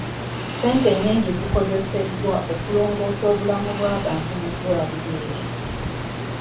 Ssente nnyingi zikozeseddwa okulongoosa obulamu bw'abantu mu bitundu ebyo.